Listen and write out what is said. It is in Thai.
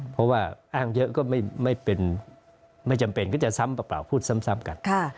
เพราะว่าอ้างเยอะก็ไม่เป็นไม่จำเป็นก็จะพูดซ้ำกัน